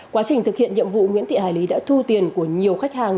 quá trình thực hiện nhiệm vụ nguyễn thị hải lý đã thu tiền của nhiều khách hàng